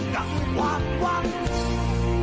กับความหวัง